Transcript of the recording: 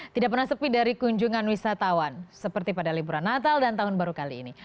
tidak pernah sepi dari kunjungan wisatawan seperti pada liburan natal dan tahun baru kali ini